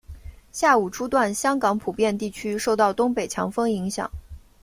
下午初段香港普遍地区受到东北强风影响。